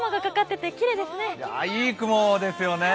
いい雲ですよね。